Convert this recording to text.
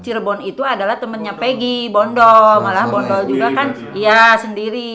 cirebon itu adalah temannya peggy bondol malah bondol juga kan sendiri